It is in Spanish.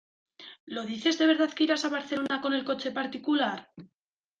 ¿Lo dices de verdad que irás a Barcelona con el coche particular?